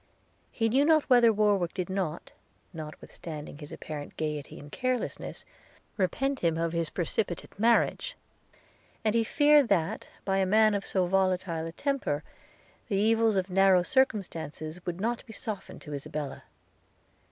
He knew not whether Warwick did not, notwithstanding his apparent gaiety and carelessness, repent him of his precipitate marriage; and he feared, that, by a man of so volatile a temper, the evils of narrow circumstances would not be softened to Isabella.